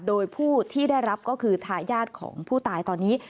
โดยผู้ที่ได้รับก็คือทายาทของผู้ตายตอนนี้